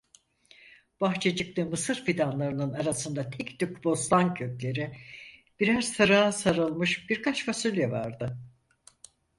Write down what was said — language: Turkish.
Bahçecikte mısır fidanlarının arasında tek tük bostan kökleri, birer sırığa sarılmış birkaç fasulye vardı.